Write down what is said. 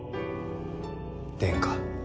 殿下。